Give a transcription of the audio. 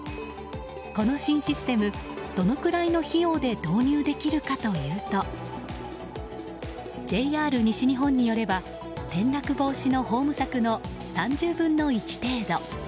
この新システムどのぐらいの費用で導入できるかというとＪＲ西日本によれば転落防止のホーム柵の３０分の１程度。